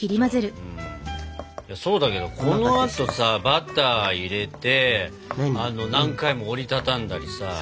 うんそうだけどこのあとさバター入れて何回も折り畳んだりさ。